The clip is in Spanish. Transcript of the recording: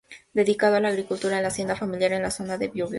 Dedicado a la agricultura en la hacienda familiar en la zona del Biobio.